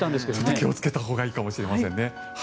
気をつけたほうがいいかもしれませんね。